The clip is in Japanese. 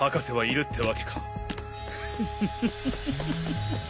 フフフフ。